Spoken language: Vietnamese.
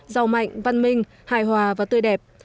giàu mạnh văn minh hài hòa và tươi đẹp